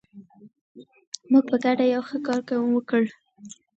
موږ په ګډه یو ښه کار وکړ.